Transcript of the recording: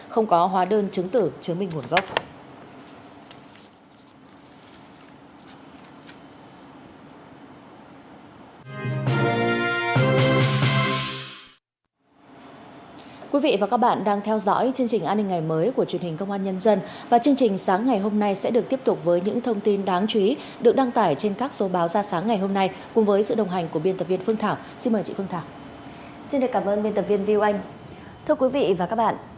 không có hóa đơn chứng tử chứng minh nguồn gốc